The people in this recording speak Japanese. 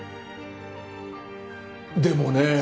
でもねえ。